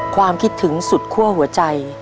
ความคิดถึงสุดคั่วหัวใจ